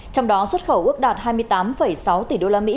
trong đó xuất khẩu ước đạt hai mươi tám sáu tỷ usd